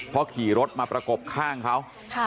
เพราะขี่รถมาประกบข้างเขา